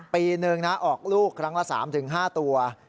ปีหนึ่งนะออกลูกครั้งละ๓๕ตัว